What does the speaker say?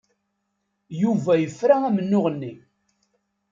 Yuba yefra amennuɣ-nni.